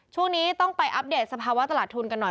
ช่วงนี้ต้องไปอัปเดตสภาวะตลาดทุนกันหน่อย